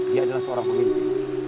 dia adalah seorang pemimpin